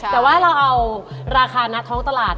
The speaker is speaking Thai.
แต่ว่าเราเอาราคานักท้องตลาด